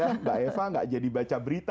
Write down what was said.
mbak eva nggak jadi baca berita